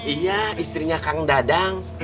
iya istrinya kang dadang